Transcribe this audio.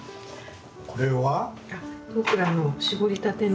これは。